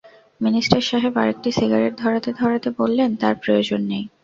Minister সাহেব আরেকটি cigarette ধরাতে-ধরাতে বললেন, তার প্রয়োজন নেই।